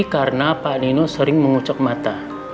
karena pak nino sering mengucek mata